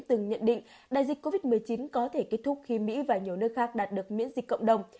từng nhận định đại dịch covid một mươi chín có thể kết thúc khi mỹ và nhiều nước khác đạt được miễn dịch cộng đồng